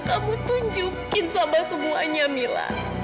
kamu tunjukkan sama semuanya mila